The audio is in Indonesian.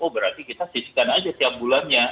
berarti kita sisihkan aja tiap bulannya